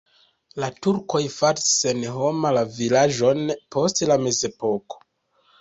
La turkoj faris senhoma la vilaĝon post la mezepoko.